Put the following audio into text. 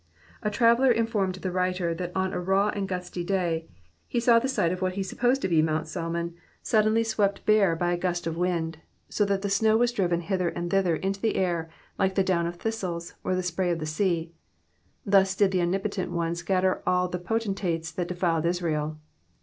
A traveller informed the writer that on a raw and gusty day, ho saw the side of what he supposed to be Mount Salmon suddenly swept bare by a gust of wind, so that the snow was driven hither and thither into the air like the down of thistles, or the spray of the sea : thus did the Omnipotent one scatter all the potentates that defied Israel.